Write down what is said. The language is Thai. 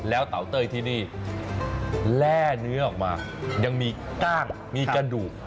แล้วเตาเต้ยที่นี่แร่เนื้อออกมายังมีกล้างมีกระดูก